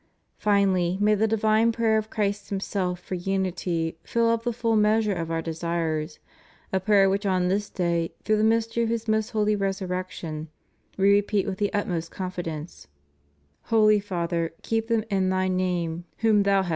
Finally, may the divine prayer of Christ Himself for unity fill up the full measure of Our desires, a prayer which on this day, through the mystery of His most holy resurrection, We repeat with the utmost confidence: Holy Father, keep them in Thy name whom Thou hast * Rom.